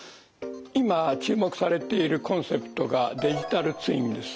今注目されているコンセプトがデジタルツインです。